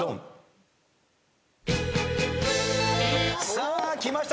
さあきました。